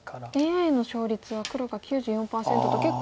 ＡＩの勝率は黒が９４％と結構。